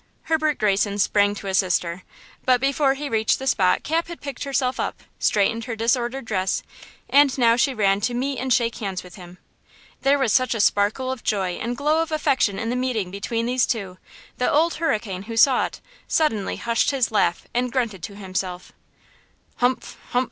Herbert Greyson sprang to assist her; but before he reached the spot Cap had picked herself up, straightened her disordered dress, and now she ran to meet and shake hands with him. There was such a sparkle of joy and glow of affection in the meeting between these two that Old Hurricane, who saw it, suddenly hushed his laugh and grunted to himself: "Humph! humph!